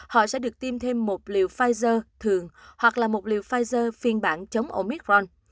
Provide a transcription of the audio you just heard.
họ sẽ được tiêm thêm một liều pfizer thường hoặc là một liều pfizer phiên bản chống omicron